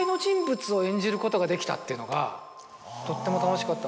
っていうのがとっても楽しかった。